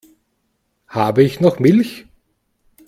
Habe ich noch Milch?